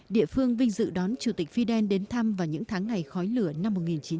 địa phương vinh dự đón chủ tịch fidel đến thăm vào những tháng ngày khói lửa năm một nghìn chín trăm bảy mươi